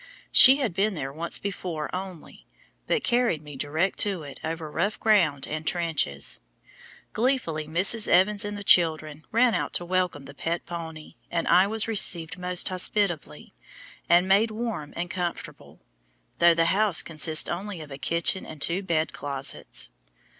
She had been there once before only, but carried me direct to it over rough ground and trenches. Gleefully Mrs. Evans and the children ran out to welcome the pet pony, and I was received most hospitably, and made warm and comfortable, though the house consists only of a kitchen and two bed closets.